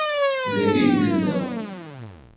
Dagi i yezdeɣ